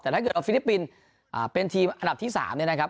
แต่ถ้าเกิดว่าฟิลิปปินส์เป็นทีมอันดับที่๓เนี่ยนะครับ